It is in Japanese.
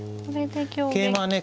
桂馬はね